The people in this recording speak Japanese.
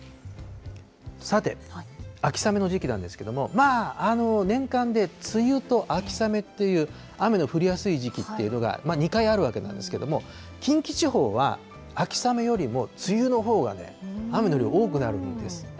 さて、秋雨の時期なんですけれども、年間で梅雨と秋雨っていう、雨の降りやすい時期っていうのが、２回あるわけなんですけれども、近畿地方は秋雨よりも梅雨のほうがね、雨の量、多くなるんです。